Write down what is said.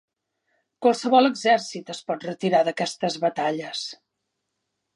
Qualsevol exèrcit es pot retirar d'aquestes batalles.